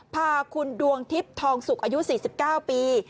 พาคุณดวงทิพย์ทองสุกอายุ๔๙ปี